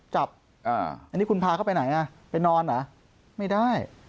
จับอันนี้คุณพาเข้าไปไหนอ่ะไปนอนเหรอไม่ได้